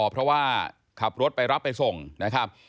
เพราะว่าขับรถไปรับไปส่งนะครับ